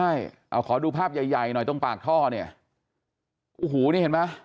ใช่เอาขอดูภาพใหญ่ใหญ่หน่อยตรงปากท่อเนี่ยโอ้โหนี่เห็นไหม